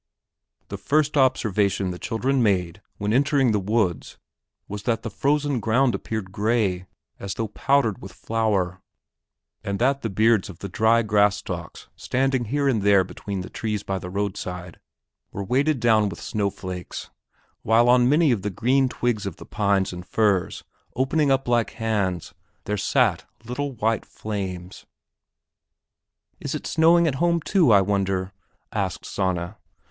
The first observation the children made when entering the woods was that the frozen ground appeared gray as though powdered with flour, and that the beards of the dry grass stalks standing here and there between the trees by the road side were weighted down with snow flakes; while on the many green twigs of the pines and firs opening up like hands there sat little white flames. "Is it snowing at home, too, I wonder?" asked Sanna.